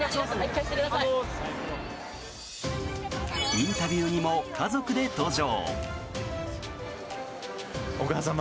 インタビューにも家族で登場。